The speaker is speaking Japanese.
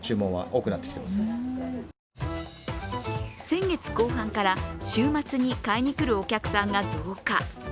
先月後半から週末に買いにくるお客さんが増加。